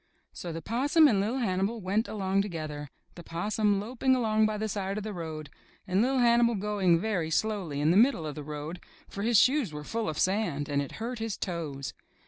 So the Possum and Li'l' Hannibal went along to gether, the Possum loping along by the side of the road, and Li'l' Hannibal going very slowly in the middle of the road, for his shoes were full of sand and it hurt his toes.